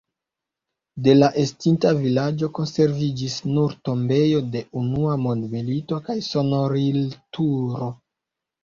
De la estinta vilaĝo konserviĝis nur tombejo de Unua mondmilito kaj sonorilturo.